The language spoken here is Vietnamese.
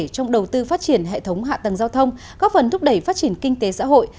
trong đầu tư phát triển hệ thống hạ tầng giao thông góp phần thúc đẩy phát triển kinh tế xã hội